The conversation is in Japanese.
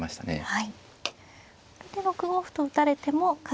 はい。